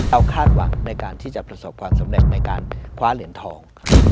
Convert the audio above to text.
เอาคาดหวังในการที่จะประสบความสำเร็จในการคว้าเหรียญทอง